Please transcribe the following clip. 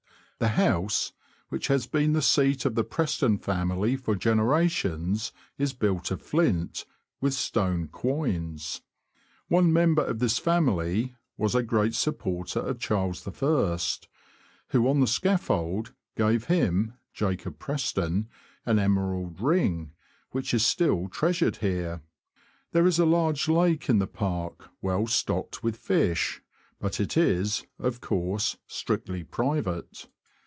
The house, which has been the seat of the Preston family for generations, is built of flint, with stone quoins. One member of this family was a great sup porter of Charles I., who, on the scaffold, gave him (Jacob Preston) an emerald ring, which is still treasured here. There is a large lake in the park, well stocked with fish, but it is, of course, strictly private.